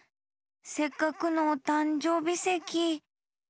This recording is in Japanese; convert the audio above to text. せっかくのおたんじょうびせき。